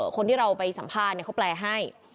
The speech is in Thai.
คนที่เราไปสัมภาษณ์เขาแปลให้